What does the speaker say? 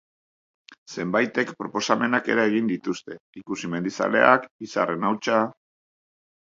Zenbaitek proposamenak ere egin dituzte: 'Ikusi mendizaleak', 'Izarren hautsa'...